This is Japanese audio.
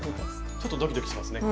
ちょっとドキドキしますね。